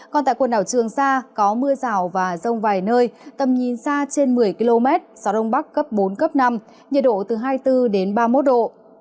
còn tại quần đảo trường sa có mưa rào và rông vài nơi tầm nhìn xa trên một mươi km gió đông bắc cấp bốn cấp năm nhiệt độ từ hai mươi bốn đến ba mươi một độ